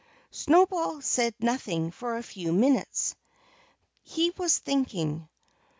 Snowball said nothing for a few minutes. He was thinking.